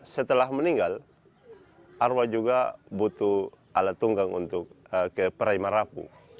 setelah meninggal arwah juga butuh alat tunggang untuk ke praima rapu